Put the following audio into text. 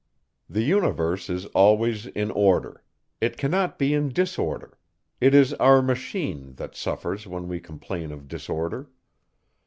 The universe is always in order. It cannot be in disorder. It is our machine, that suffers, when we complain of disorder.